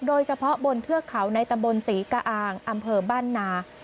โดยเฉพาะบนเทือกเขาในตำบลศรีกะอางอำเภอบ้านนา